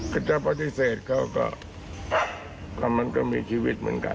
ถ้าจะปฏิเสธเขาก็มันก็มีชีวิตเหมือนกัน